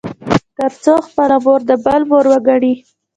تـر څـو خـپله مـور د بل مور وګـني.